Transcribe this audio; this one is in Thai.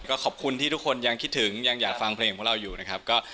ก็ขอบคุณที่ทุกคนยังคิดถึงยังอยากฟังเพลงของเราอยู่นะครับ